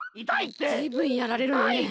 ずいぶんやられるのね。